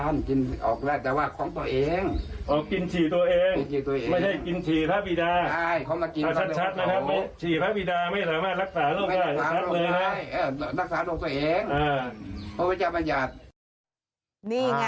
นี่ไง